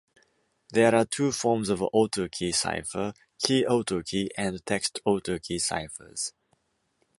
There are two forms of autokey cipher: "key autokey" and "text autokey" ciphers.